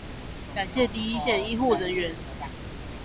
感謝第一線醫護人員